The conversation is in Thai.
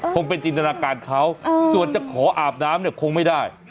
คงเป็นจินตนาการเขาส่วนจะขออาบน้ำเนี่ยคงไม่ได้